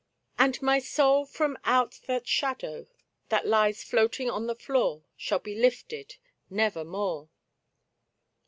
And my soul from out that shadow that h'es floating on the floor Shall be lifted — Nevermore